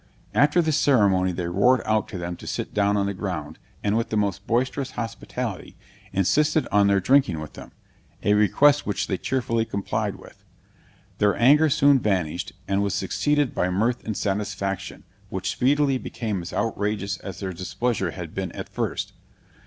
After this ceremony they roared out to them to sit down on the ground, and with the most boisterous hospitality, insisted on their drinking with them; a request which they cheerfully complied with. Their anger soon vanished, and was succeeded by mirth and satisfaction, which speedily became as outrageous as their displeasure had been at first.